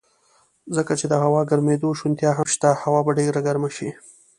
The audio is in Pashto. ځکه چې د هوا ګرمېدو شونتیا هم شته، هوا به ډېره ګرمه شي.